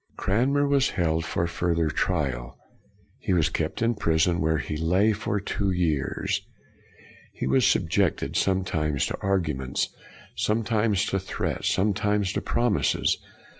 Cranmer was held for further trial. He was kept in prison, where he lay for two years. He was subjected, sometimes to arguments, sometimes to threats, some times to promises.